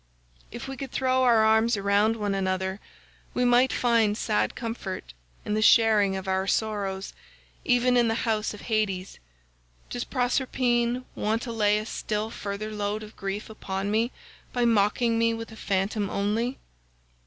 If we could throw our arms around one another we might find sad comfort in the sharing of our sorrows even in the house of Hades; does Proserpine want to lay a still further load of grief upon me by mocking me with a phantom only?